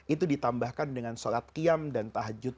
itu ditambahkan dengan sholat qiyam dan tahajud